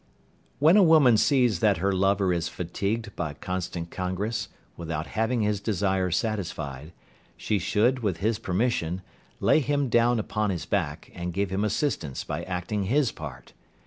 When a woman sees that her lover is fatigued by constant congress, without having his desire satisfied, she should, with his permission, lay him down upon his back, and give him assistance by acting his part.